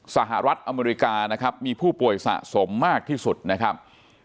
สหรัฐอเมริกานะครับมีผู้ป่วยสะสมมากที่สุดนะครับ